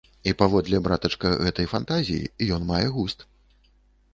І паводле, братачка, гэтай фантазіі ён мае густ.